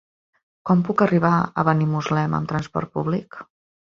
Com puc arribar a Benimuslem amb transport públic?